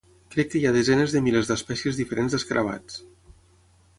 Crec que hi ha desenes de milers d'espècies diferents d'escarabats